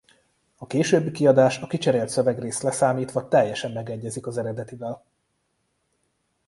A későbbi kiadás a kicserélt szövegrészt leszámítva teljesen megegyezik az eredetivel.